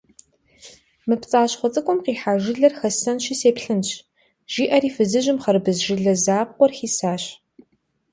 «Мы пцӀащхъуэ цӀыкӀум къихьа жылэр хэссэнщи сеплъынщ», - жиӀэри фызыжьым хъэрбыз жылэ закъуэр хисащ.